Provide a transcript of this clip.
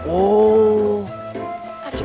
oh ini dia